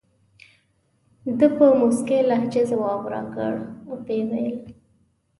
ده په موسکۍ لهجه ځواب راکړ او وویل.